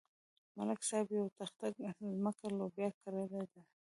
ملک صاحب یوه تخته ځمکه لوبیا کرلې ده.